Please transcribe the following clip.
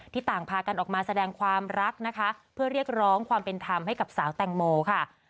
ต่างพากันออกมาแสดงความรักนะคะเพื่อเรียกร้องความเป็นธรรมให้กับสาวแตงโมค่ะ